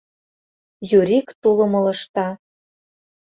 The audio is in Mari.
Юрик тулым ылыжта.